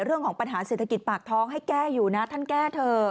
เรื่องของปัญหาเศรษฐกิจปากท้องให้แก้อยู่นะท่านแก้เถอะ